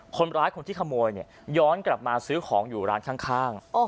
คนที่ขโมยเนี่ยย้อนกลับมาซื้อของอยู่ร้านข้าง